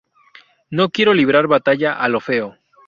No quiero librar batalla a lo feo.